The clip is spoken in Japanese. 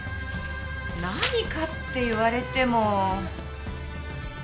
何かって言われても。